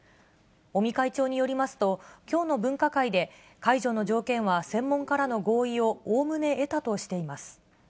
尾身会長によりますと、きょうの分科会で、解除の条件は、専門家らの合意をおおむね得たとしています。